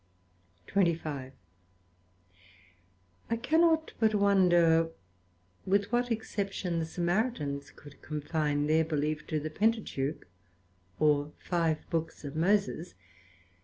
SECT.25 I cannot but wonder with what exception the Samaritans could confine their belief to the Pentateuch, or five Books of Moses.